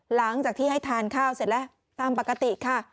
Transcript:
หลังจากที่ให้ทานข้าวเสร็จแล้วตามปกติค่ะ